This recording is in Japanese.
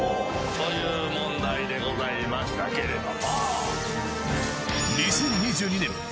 「という問題でございましたけれども！」